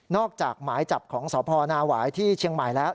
จากหมายจับของสพนาหวายที่เชียงใหม่แล้ว